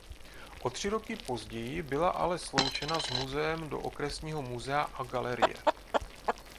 O tři roky později byla ale sloučena s muzeem do okresního muzea a galerie.